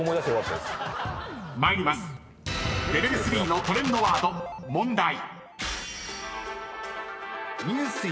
［ＬＥＶＥＬ．３のトレンドワード問題］